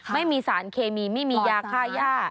ไม่มีสารเคมีไม่มียาค่าย่า